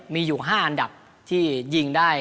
มีอยู่๕อันดับที่ยิงได้